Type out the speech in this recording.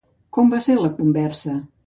Com va ser la conversa?